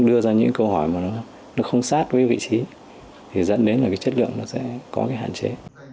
đưa ra những câu hỏi mà nó không sát với vị trí thì dẫn đến là cái chất lượng nó sẽ có cái hạn chế